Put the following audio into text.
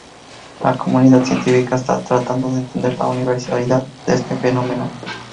La comunidad científica está tratando de entender la universalidad de este fenómeno.